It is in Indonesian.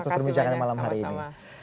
terima kasih banyak sama sama